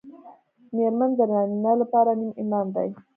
مېرمن د نارینه لپاره نیم ایمان دی